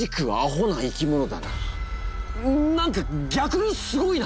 何か逆にすごいな！